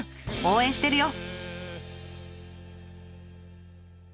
応援してるよ！